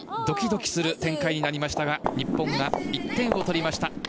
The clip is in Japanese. ドキドキする展開になりましたが日本が１点を取りました。